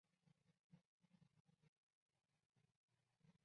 嫁入豪门的禹雅珍过着人人称羡的贵妇生活。